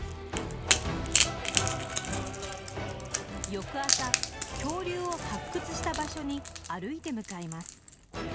翌朝恐竜を発掘した場所に歩いて向かいます。